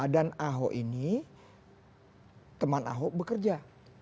dan ahok ini teman ahok bekerja